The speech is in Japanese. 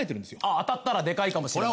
当たったらデカいかもしれない。